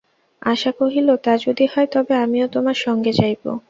আশা কহিল, তা যদি হয়, তবে আমিও তোমার সঙ্গে যাইব।